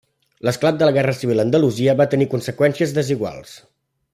L'esclat de la Guerra Civil a Andalusia va tenir conseqüències desiguals.